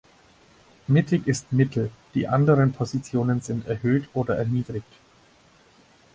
Mittig ist "Mittel", die anderen Positionen sind "erhöht" oder "erniedrigt".